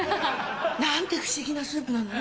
何て不思議なスープなの。